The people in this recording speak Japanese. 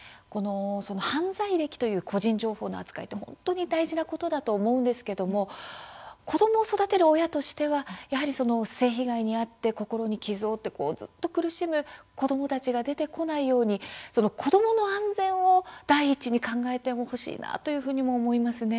その犯罪歴という個人情報の扱いは本当に大事なことだと思うんですが子どもを育てる親としてはやはり性被害に遭って心に傷を負って苦しむ子どもたちが出てこないように子どもの安全を第一に考えてほしいなというふうにも思いますね。